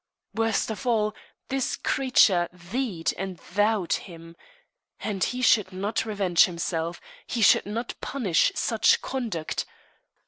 Worst of all, this creature "thee'd" and "thou'd" him! And he should not revenge himself he should not punish such conduct!